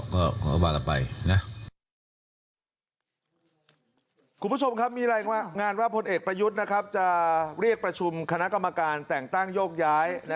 ก็วางละไปนะ